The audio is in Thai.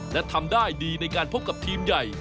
และทำได้ดีในการพบกับทีมใหญ่